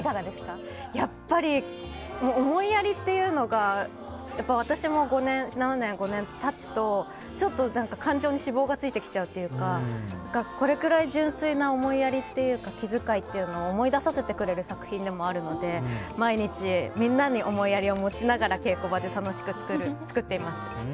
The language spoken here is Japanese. やっぱり、思いやりというのが私も７年って経つとちょっと感情に脂肪がついてきちゃうというかこれくらい純粋な思いやりというか気遣いというのを思い出させてくれる作品でもあるので毎日みんなに思いやりを持ちながら稽古場で楽しく作っています。